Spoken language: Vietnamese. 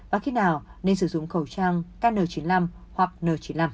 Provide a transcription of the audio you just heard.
và khi nào nên sử dụng khẩu trang kn chín mươi năm hoặc n chín mươi năm